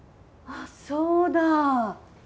あっそうだ。